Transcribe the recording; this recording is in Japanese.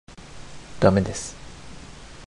駄目です。